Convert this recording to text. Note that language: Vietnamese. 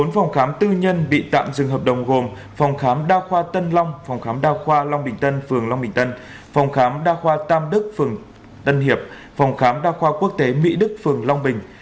bốn phòng khám tư nhân bị tạm dừng hợp đồng gồm phòng khám đa khoa tân long phòng khám đa khoa long bình tân phường long bình tân phòng khám đa khoa tam đức phường tân hiệp phòng khám đa khoa quốc tế mỹ đức phường long bình